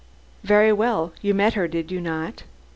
"Very well. You met her, did you not?"